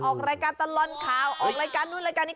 ออกรายการตลอดข่าวออกรายการนู่นรายการนี้